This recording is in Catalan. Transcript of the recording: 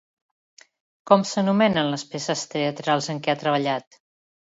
Com s'anomenen les peces teatrals en què ha treballat?